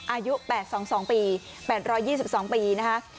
อายุ๘๒๒ปี๘๒๒ปีนะคะ